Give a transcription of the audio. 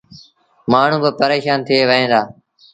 مآڻهوٚݩ با پريشآن ٿئي وهيݩ دآ۔